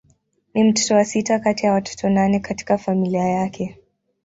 Ni mtoto wa sita kati ya watoto nane katika familia yake.